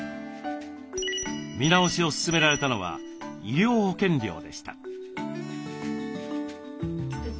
見直しを勧められたのは医療保険料でした。